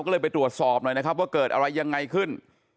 ก็เลยไปตรวจสอบหน่อยนะครับว่าเกิดอะไรยังไงขึ้น